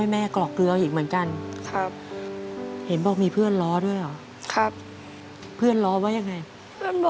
ไม่ครับไม่ได้ไปเล่นกับเพื่อนเลยครับ